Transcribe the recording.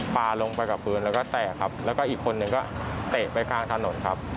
ปลาลงไปกับพื้นแล้วก็แตกครับแล้วก็อีกคนหนึ่งก็เตะไปข้างถนนครับ